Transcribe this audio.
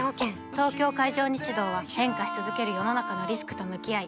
東京海上日動は変化し続ける世の中のリスクと向き合い